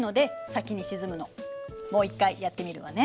もう一回やってみるわね。